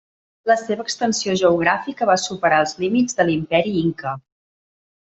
La seva extensió geogràfica va superar els límits de l'Imperi Inca.